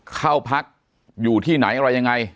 เข้าพักอยู่ที่ไหนอะไรยังไง